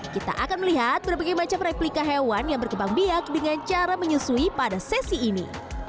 kita akan melihat berbagai macam replika hewan yang berkembang biak dengan cara menyusui pada sesi ini